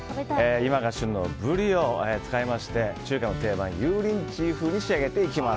今が旬のブリを使いまして中華の定番、油淋鶏風に仕上げていきます。